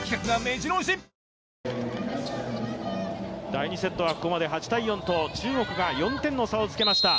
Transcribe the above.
第２セットはここまで８−４と中国がここまで４点の差をつけました。